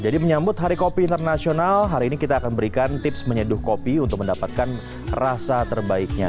jadi menyambut hari kopi internasional hari ini kita akan berikan tips menyeduh kopi untuk mendapatkan rasa terbaiknya